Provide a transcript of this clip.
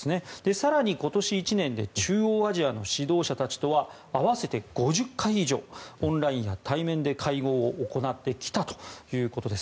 更に、今年１年で中央アジアの指導者たちとは合わせて５０回以上オンラインや対面で会合を行ってきたということです。